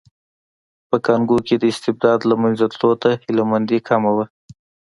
په کانګو کې د استبداد له منځه تلو ته هیله مندي کمه وه.